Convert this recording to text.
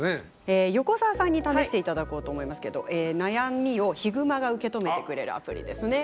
横澤さんに試していただこうと思いますけど悩みをひぐまが受け止めてくれるアプリですね。